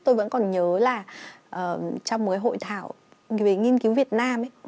tôi vẫn còn nhớ là trong một hội thảo về nghiên cứu việt nam ấy